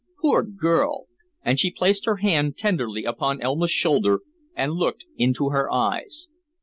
poor girl!" and she placed her hand tenderly upon Elma's shoulder and looked into her eyes.